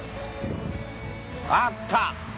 あった！